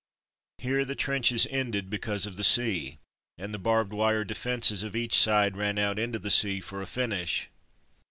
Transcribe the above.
Here the, trenches ended because of the sea, and the barbed wire defences of each side ran out into the sea for a finish.